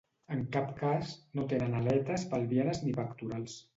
En cap cas, no tenen aletes pelvianes ni pectorals.